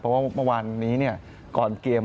เพราะว่าเมื่อวานนี้ก่อนเกม